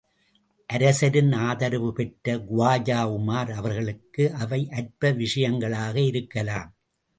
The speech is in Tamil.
அரசரின் ஆதரவுபெற்ற குவாஜா உமார் அவர்களுக்கு அவை அற்ப விஷயங்களாக இருக்கலாம்.